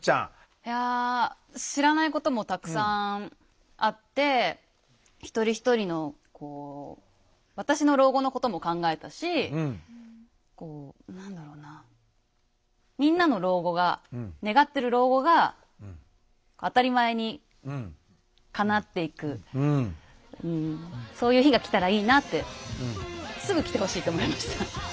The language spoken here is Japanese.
いや知らないこともたくさんあって一人一人のこう私の老後のことも考えたし何だろうなみんなの老後が願ってる老後が当たり前にかなっていくそういう日が来たらいいなってすぐ来てほしいと思いました。